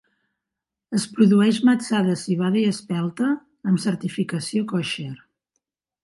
Es produeix matsà de civada i espelta amb certificació kosher.